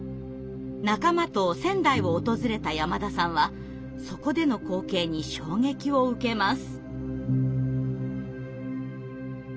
仲間と仙台を訪れた山田さんはそこでの光景に衝撃を受けます。